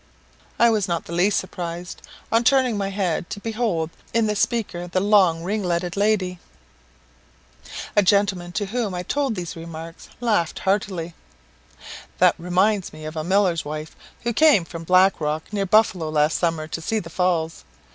I was not the least surprised, on turning my head, to behold in the speaker the long ringletted lady. A gentleman to whom I told these remarks laughed heartily. "That reminds me of a miller's wife who came from Black Rock, near Buffalo, last summer, to see the Falls.